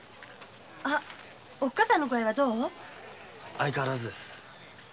相変わらずです。